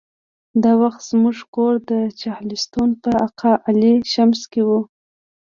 دا وخت زموږ کور د چهلستون په اقا علي شمس کې و.